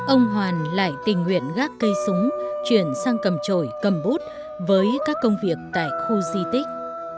ông hoàn lại tình nguyện gác cây súng chuyển sang cầm trổi cầm bút với các công việc tại khu di tích